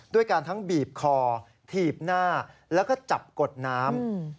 ด้วยการทั้งบีบคอถีบหน้าแล้วก็จับกดน้ำ